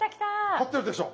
立ってるでしょ？